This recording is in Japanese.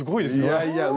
いやいや。